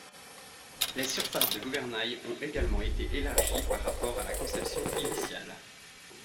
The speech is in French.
Les surfaces de gouvernail ont également été élargies par rapport à la conception initiale.